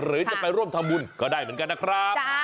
หรือจะไปร่วมทำบุญก็ได้เหมือนกันนะครับ